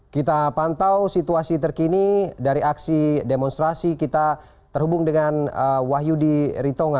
kita pantau situasi terkini dari aksi demonstrasi kita terhubung dengan wahyudi ritonga